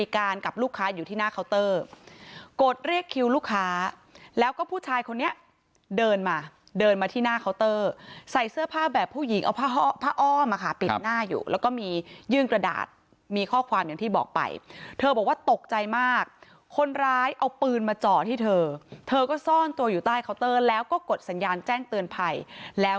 กับลูกค้าอยู่ที่หน้าเคาน์เตอร์กดเรียกคิวลูกค้าแล้วก็ผู้ชายคนนี้เดินมาเดินมาที่หน้าเคาน์เตอร์ใส่เสื้อผ้าแบบผู้หญิงเอาผ้าผ้าอ้อมอ่ะค่ะปิดหน้าอยู่แล้วก็มียื่นกระดาษมีข้อความอย่างที่บอกไปเธอบอกว่าตกใจมากคนร้ายเอาปืนมาเจาะที่เธอเธอก็ซ่อนตัวอยู่ใต้เคาน์เตอร์แล้วก็กดสัญญาณแจ้งเตือนภัยแล้ว